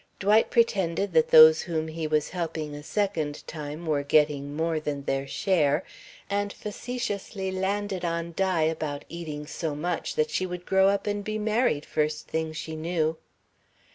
Dwight pretended that those whom he was helping a second time were getting more than their share and facetiously landed on Di about eating so much that she would grow up and be married, first thing she knew.